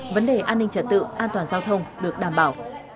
vấn đề an ninh trật tự an toàn giao thông được đảm bảo